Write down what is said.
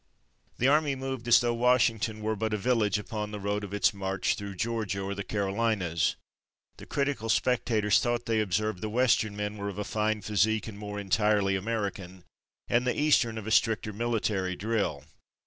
The army moved as though Washington were but a village upon the road of its march through Georgia or the Carolinas. The critical spectators thought they observed the Western men were of a finer physique and more entirely American, and the Eastern of a stricter military drill.